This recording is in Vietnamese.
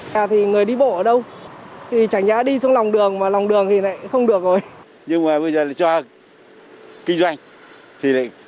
khoảng năm mét